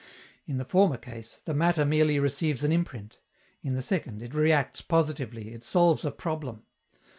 In the former case, the matter merely receives an imprint; in the second, it reacts positively, it solves a problem.